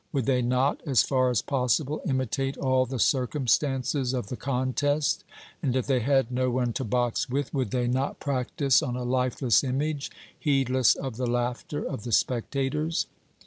Would they not as far as possible imitate all the circumstances of the contest; and if they had no one to box with, would they not practise on a lifeless image, heedless of the laughter of the spectators?